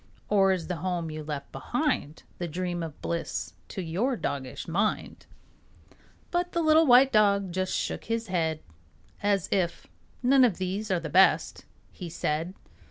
Or is the home you left behind The dream of bliss to your doggish mind? But the little white dog just shook his head As if "None of these are best," he said.